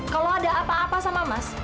kalau ada apa apa sama mas